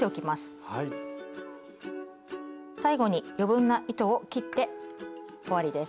最後に余分な糸を切って終わりです。